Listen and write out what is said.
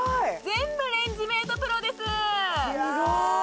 全部レンジメートプロですスゴーい